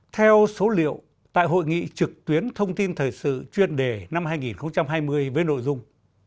theo số liệu tại hội nghị trực tuyến thông tin thời sự chuyên đề năm hai nghìn hai mươi với nội dung